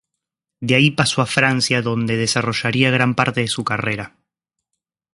De ahí pasó a Francia, donde desarrollaría gran parte de su carrera.